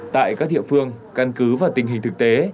tại các địa phương căn cứ vào tình hình thực tế